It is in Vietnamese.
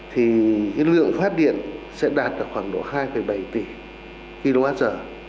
thì lượng phát điện sẽ đạt khoảng độ hai bảy tỷ kwh